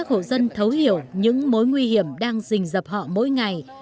ông một mặt tích cực tuyên truyền vận động giúp các hộ dân thấu hiểu những mối nguy hiểm đang rình rập họ mỗi ngày